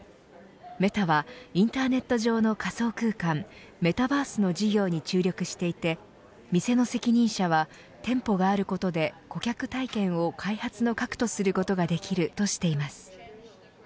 メタはインターネット上の仮想空間メタバースの事業に注力していて店の責任者は店舗があることで顧客体験を開発の核とすることができるとしています。